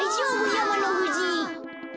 やまのふじ。